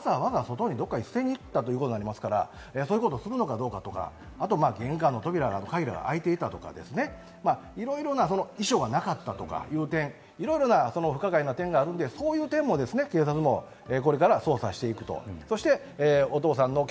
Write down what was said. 家の中に全くなかったということは、飲んでから、わざわざ外にどこかに捨てに行ったということになりますから、そういうことをするのかどうかとか、玄関の扉の鍵が開いていたとか、いろいろな遺書がなかったとかいう点、いろいろな不可解な点があるので、そういう点も警察がこれから捜査していくと。